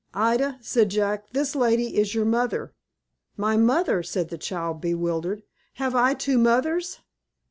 "Ida," said Jack, "this lady is your mother." "My mother!" said the child, bewildered. "Have I two mothers?"